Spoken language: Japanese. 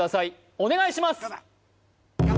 お願いします